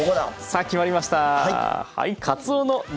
さあ決まりました。